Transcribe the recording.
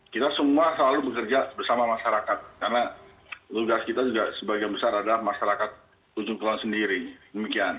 kita semua selalu bekerja bersama masyarakat karena tugas kita juga sebagian besar adalah masyarakat ujung kulon sendiri demikian